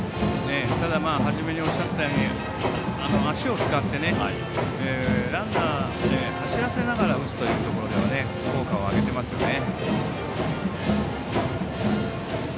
ただ、初めにおっしゃっていたように足を使ってランナーを走らせながら打つというところでは効果をあげていますよね。